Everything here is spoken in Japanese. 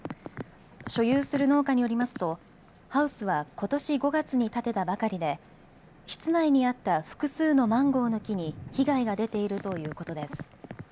所有する農家によりますとハウスはことし５月に建てたばかりで室内にあった複数のマンゴーの木に被害が出ているということです。